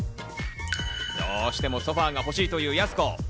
どうしてもソファが欲しいというやす子。